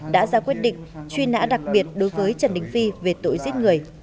đã ra quyết định truy nã đặc biệt đối với trần đình phi về tội giết người